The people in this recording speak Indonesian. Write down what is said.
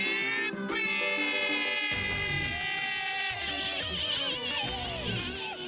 namun gerewet atas panggung